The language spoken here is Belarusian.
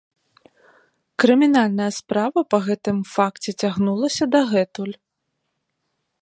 Крымінальная справа па гэтым факце цягнулася дагэтуль.